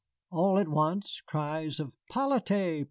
All at once cries of "'Polyte!